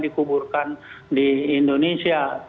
dikuburkan di indonesia